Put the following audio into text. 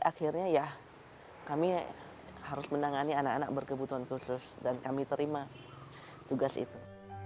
akhirnya ya kami harus menangani anak anak berkebutuhan khusus dan kami terima tugas itu